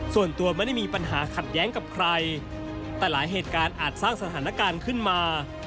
ส่วนตัวไม่ได้มีปัญหาขัดแย้งกับใครแต่หลายเหตุการณ์อาจสร้างสถานการณ์ขึ้นมา